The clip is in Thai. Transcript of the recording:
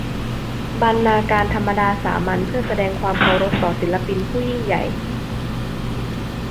บรรณาการธรรมดาสามัญเพื่อแสดงความเคารพต่อศิลปินผู้ยิ่งใหญ่